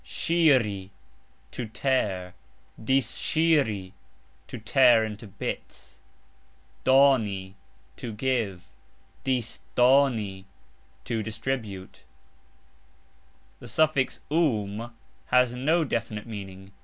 "Sxiri", to tear; "dissxiri", to tear into bits. "Doni", to give; "disdoni", to distribute. The suffix " um " has no definite meaning.